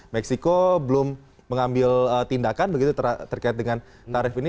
meksiko belum mengambil tindakan begitu terkait dengan tarif ini